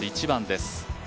１番です。